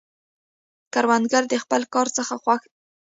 کروندګر د خپل کار څخه خوښ دی